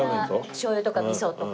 しょう油とか味噌とか。